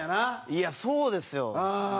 いやそうですよ。